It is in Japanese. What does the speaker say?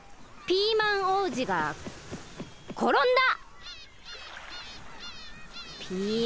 ピーマン王子がころんだ！